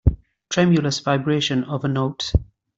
Tremulous vibration of a note.